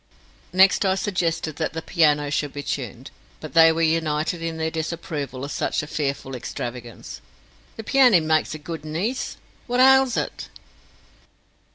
Next I suggested that the piano should be tuned, but they were united in their disapproval of such a fearful extravagance. "The peeany makes a good nise. What ails it?"